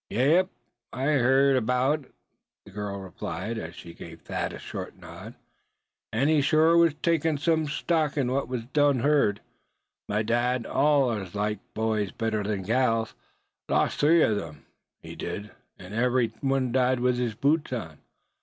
"Yep, I heerd 'bout hit," the girl replied, as she gave Thad a short nod; "an' he shore was takin' sum stock in wat he done heerd. My dad, he allers liked boys better'n he did gals. Lost three on 'em, he did, an' every one died with his boots on!